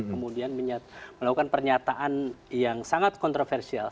kemudian melakukan pernyataan yang sangat kontroversial